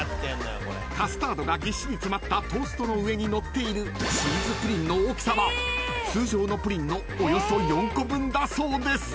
［カスタードがぎっしり詰まったトーストの上にのっているチーズプリンの大きさは通常のプリンの］